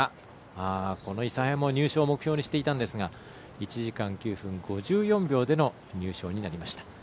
この諫早も入賞を目標にしていたんですが１時間９分５４秒での入賞になりました。